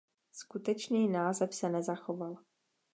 Skutečný název se nezachoval.